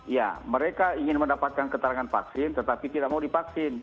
ya mereka ingin mendapatkan keterangan vaksin tetapi tidak mau divaksin